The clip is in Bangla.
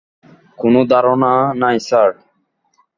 কোন ধারণা নাই, স্যার!